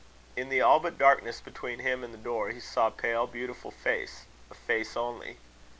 In the all but darkness between him and the door, he saw a pale beautiful face a face only.